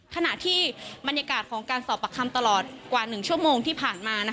ขณะที่บรรยากาศของการสอบประคำตลอดกว่า๑ชั่วโมงที่ผ่านมา